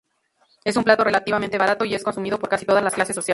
Es un plato relativamente barato y es consumido por casi todas las clases sociales.